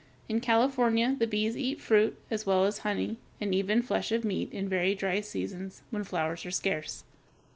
In California, the bees eat fruit as well as honey, and even flesh or meat, in very dry seasons, when flowers are scarce.